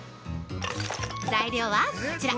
材料はこちら。